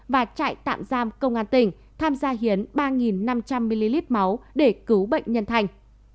và trại tạm giam công an tỉnh tham gia hiến ba năm trăm linh ml máu để cứu bệnh nhân thành